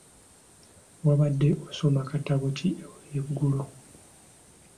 Wabadde osoma katabo ki eggulo?